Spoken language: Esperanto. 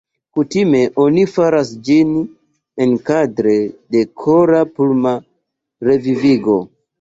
Kutime oni faras ĝin enkadre de kora-pulma revivigo.